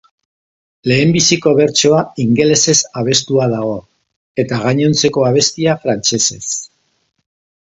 Lehenbiziko bertsoa ingelesez abestua dago eta gainontzeko abestia frantsesez.